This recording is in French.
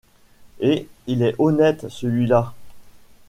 Et il est honnête, celui-là!